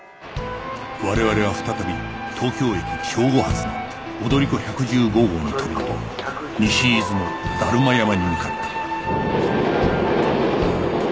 我々は再び東京駅正午発の踊り子１１５号に飛び乗り西伊豆の達磨山に向かった